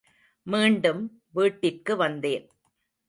மீண்டும் வீட்டிற்கு வந்தேன்.